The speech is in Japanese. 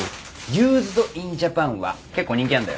ユーズド・イン・ジャパンは結構人気あるんだよ